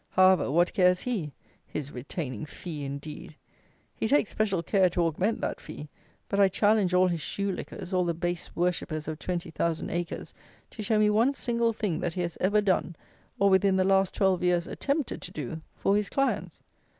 However, what cares he? His "retaining fee" indeed! He takes special care to augment that fee; but I challenge all his shoe lickers, all the base worshippers of twenty thousand acres, to show me one single thing that he has ever done, or, within the last twelve years, attempted to do, for his clients.